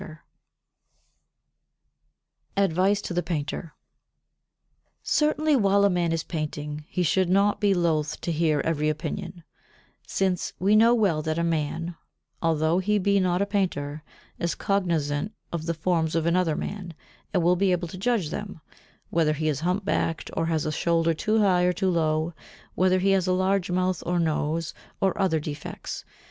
[Sidenote: Advice to the Painter] 65. Certainly while a man is painting he should not be loth to hear every opinion: since we know well that a man, although he be not a painter, is cognizant of the forms of another man, and will be able to judge them, whether he is hump backed or has a shoulder too high or too low, or whether he has a large mouth or nose, or other defects.